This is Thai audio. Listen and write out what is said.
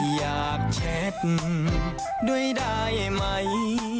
อยากเช็คด้วยได้ไหม